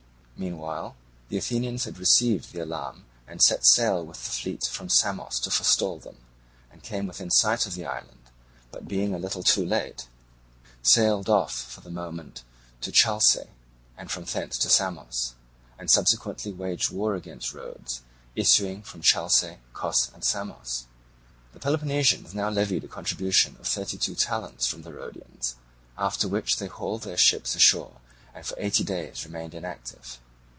Meanwhile the Athenians had received the alarm and set sail with the fleet from Samos to forestall them, and came within sight of the island, but being a little too late sailed off for the moment to Chalce, and from thence to Samos, and subsequently waged war against Rhodes, issuing from Chalce, Cos, and Samos. The Peloponnesians now levied a contribution of thirty two talents from the Rhodians, after which they hauled their ships ashore and for eighty days remained inactive.